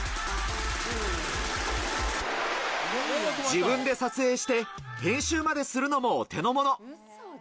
自分で撮影して編集までするのもお手のもの。